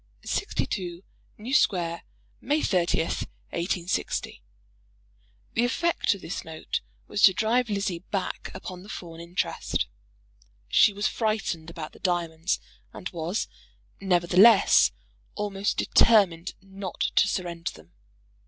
62, New Square, May 30, 186 ." The effect of this note was to drive Lizzie back upon the Fawn interest. She was frightened about the diamonds, and was, nevertheless, almost determined not to surrender them.